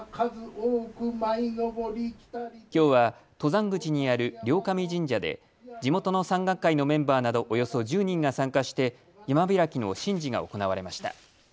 きょうは登山口にある両神神社で地元の山岳会のメンバーなどおよそ１０人が参加して山開きの神事が行われました。